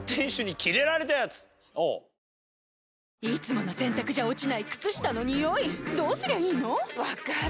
いつもの洗たくじゃ落ちない靴下のニオイどうすりゃいいの⁉分かる。